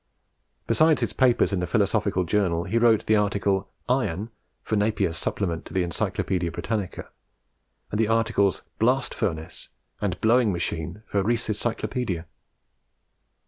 Besides his papers in the Philosophical Journal, he wrote the article "Iron" for Napiers Supplement to the Encyclopaedia Britannica; and the articles "Blast Furnace" and "Blowing Machine" for Rees's Cyclopaedia.